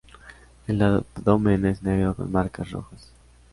El abdomen es negro con marcas rojas.